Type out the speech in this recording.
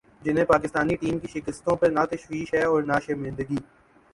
جنہیں پاکستانی ٹیم کی شکستوں پر نہ تشویش ہے اور نہ شرمندگی ۔